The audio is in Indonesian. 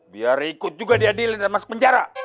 biar ikut juga diadilin dan masuk penjara